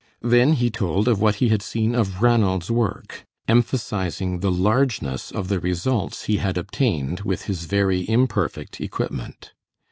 Then he told of what he had seen of Ranald's work, emphasizing the largeness of the results he had obtained with his very imperfect equipment.